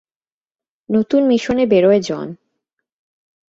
নতুন মিশনে বেরোয় জন।